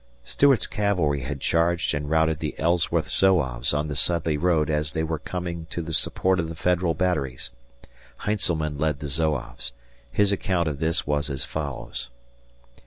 Stuart's cavalry had charged and routed the Ellsworth Zouaves on the Sudley road as they were coming to the support of the Federal batteries. Heintzelman led the Zouaves. His account of this was as follows.